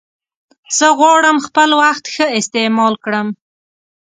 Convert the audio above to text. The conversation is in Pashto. زه غواړم خپل وخت ښه استعمال کړم.